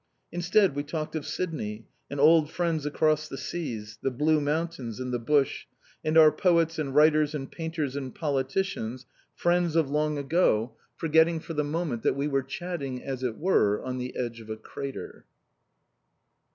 Instead, we talked of Sydney, and old friends across the seas, the Blue mountains, and the Bush, and our poets and writers and painters and politicians, friends of long ago, forgetting for the moment that we were chatting as it were on the edge of a crater.